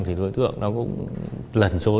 thì đối tượng nó cũng lần xôi